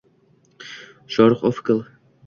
shohruh_official